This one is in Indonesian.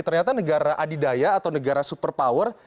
ternyata negara adidaya atau negara super power